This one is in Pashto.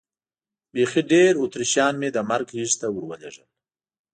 بیخي ډېر اتریشیان مې د مرګ غېږې ته ور ولېږل.